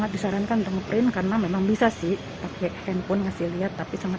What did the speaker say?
disarankan untuk nge print karena memang bisa sih pakai handphone ngasih lihat tapi sangat